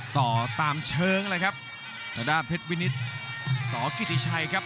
ต่อตามเชิงเลยครับทางด้านเพชรวินิตสกิติชัยครับ